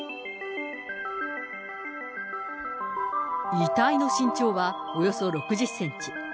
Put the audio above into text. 遺体の身長はおよそ６０センチ。